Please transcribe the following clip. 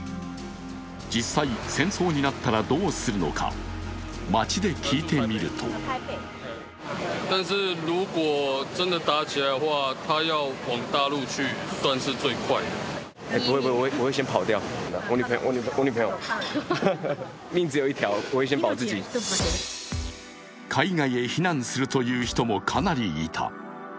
実際、戦争になったらどうするのか街で聞いてみると海外へ避難するという人もかなりいた。